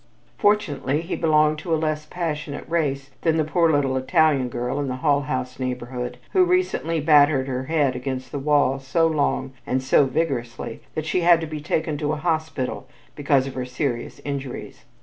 Fortunately he belonged to a less passionate race than the poor little Italian girl in the Hull House neighborhood who recently battered her head against the wall so long and so vigorously that she had to be taken to a hospital because of her serious injuries.